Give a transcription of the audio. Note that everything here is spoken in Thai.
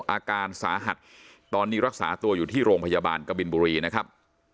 อาการสาหัสตอนนี้รักษาตัวอยู่ที่โรงพยาบาลกบินบุรีนะครับ